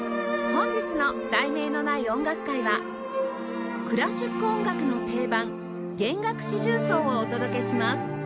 本日の『題名のない音楽会』はクラシック音楽の定番弦楽四重奏をお届けします